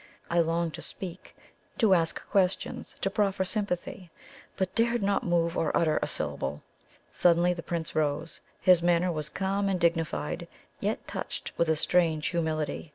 I longed to speak to ask questions to proffer sympathy but dared not move or utter a syllable. Suddenly the Prince rose; his manner was calm and dignified, yet touched with a strange humility.